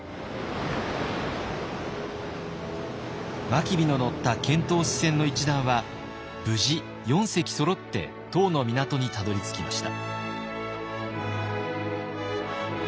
真備の乗った遣唐使船の一団は無事４隻そろって唐の港にたどりつきました。